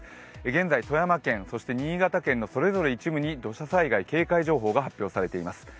現在、富山県、そして新潟県のそれぞれ一部に土砂災害警戒情報が発表されています。